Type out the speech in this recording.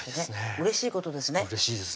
うれしいですね